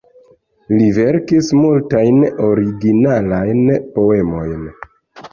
Li verkis multajn originalajn poemojn.